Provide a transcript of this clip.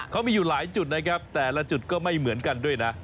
เขามีอยู่หลายจุดนะครับแต่ละจุดก็ไม่เหมือนกันด้วยนะ